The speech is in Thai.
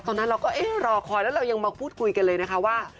ตอนนั้นเราก็เอ๊ะรอคอยแล้วเรายังมาพูดคุยกันเลยนะคะว่า